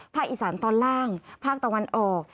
อีสานตอนล่างภาคตะวันออก